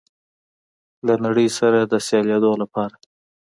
له نړۍ سره د سیالېدو لپاره